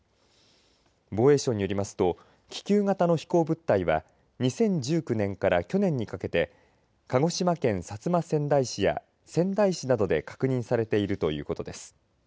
防衛省によりますと気球型の飛行物体は２０１９年から去年にかけて鹿児島県薩摩川内市や仙台市などで確認されているということです。